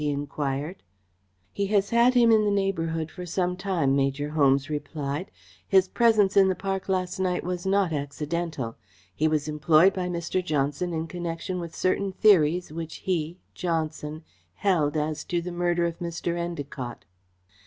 he enquired. "He has had him in the neighbourhood for some time," Major Holmes replied. "His presence in the park last night was not accidental. He was employed by Mr. Johnson in connection with certain theories which he Johnson held as to the murder of Mr. Endacott."